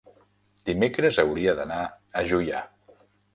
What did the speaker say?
dimecres hauria d'anar a Juià.